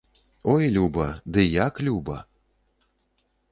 Ой, люба, ды і як люба!